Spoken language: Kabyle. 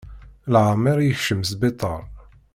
Leεmeṛ yekcem sbiṭar.